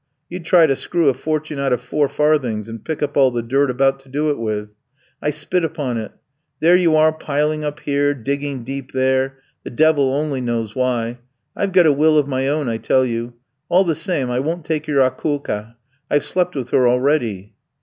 You'd try to screw a fortune out of four farthings, and pick up all the dirt about to do it with. I spit upon it. There you are piling up here, digging deep there, the devil only knows why. I've got a will of my own, I tell you. All the same I won't take your Akoulka; I've slept with her already.'